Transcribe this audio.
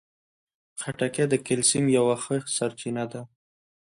خټکی د کلسیم یوه ښه سرچینه ده.